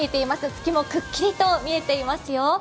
月もくっきりと見えていますよ。